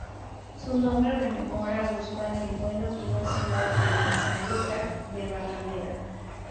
Su nombre rememora a Guzmán el Bueno, primer señor de Sanlúcar de Barrameda.